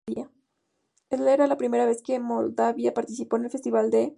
Era la primera vez que Moldavia participó en el Festival de Eurovisión Junior.